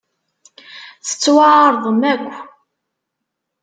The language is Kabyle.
Tettwaεrḍem akk.